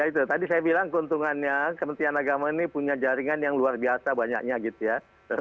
itu tadi saya bilang keuntungannya kementerian agama ini punya jaringan yang luar biasa banyaknya gitu ya